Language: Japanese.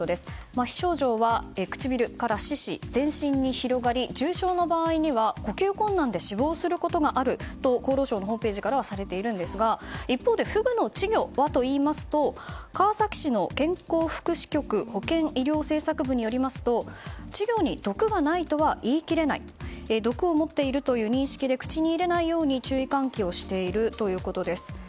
まひ症状は唇から四肢、全身に広がり重症の場合には呼吸困難で死亡することがあると厚労省のホームページからはされているんですが一方でフグの稚魚はといいますと川崎市の健康福祉局保健医療政策部によりますと稚魚に毒がないとは言い切れない。毒を持っているという認識で口に入れないよう注意喚起をしているということです。